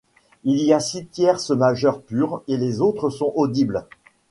Il y a six tierces majeures pures et les autres sont audibles.